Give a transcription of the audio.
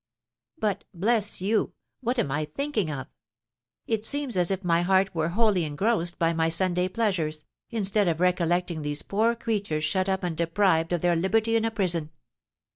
But, bless you, what am I thinking of? It seems as if my heart were wholly engrossed by my Sunday pleasures, instead of recollecting these poor creatures shut up and deprived of their liberty in a prison.